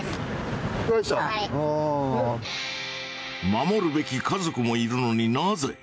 守るべき家族もいるのになぜ？